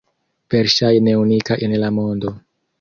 Verŝajne unika en la mondo!